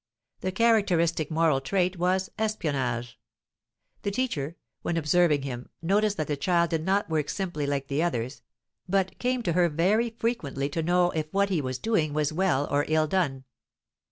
The characteristic moral trait was "espionage." The teacher, when observing him, noticed that the child did not work simply like the others, but came to her very frequently to know if what he was doing was well or ill done.